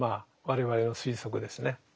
我々の推測ですね。